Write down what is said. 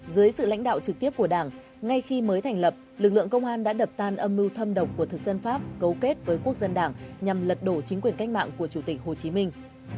dưới sự lãnh đạo trực tiếp của đảng ngay khi mới thành lập lực lượng công an đã đập tan âm mưu thâm độc của thực dân pháp cấu kết với quốc dân đảng nhằm lật đổ chính quyền cách mạng của chủ tịch hồ chí minh